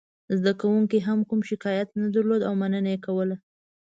زده کوونکو هم کوم شکایت نه درلود او مننه یې کوله.